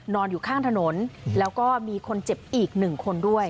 นอนอยู่ข้างถนนแล้วก็มีคนเจ็บอีกหนึ่งคนด้วย